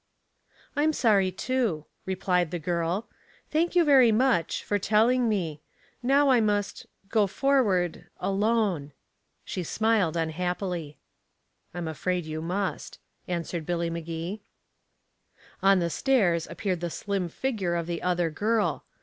"I'm sorry, too," replied the girl. "Thank you very much for telling me. Now I must go forward alone." She smiled unhappily. "I'm afraid you must," answered Billy Magee. On the stairs appeared the slim figure of the other girl.